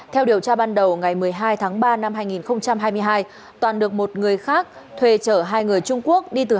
theo điều tra ban đầu ngày một mươi hai tháng ba năm hai nghìn hai mươi hai toàn được một người khác thuê chở hai người trung quốc đi từ